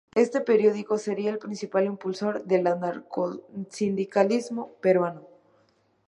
Este periódico sería el principal impulsor del anarcosindicalismo peruano.